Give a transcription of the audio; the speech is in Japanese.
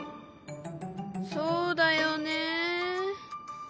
そうだよねあっ！